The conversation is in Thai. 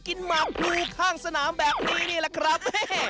กินหมับหนูข้างสนามแบบนี้นะครับ